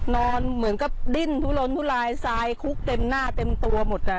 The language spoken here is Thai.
นอนเหมือนกับดิ้นทุลนทุลายทรายคุกเต็มหน้าเต็มตัวหมด